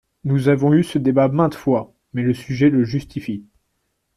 Nous avons eu ce débat maintes fois, mais le sujet le justifie.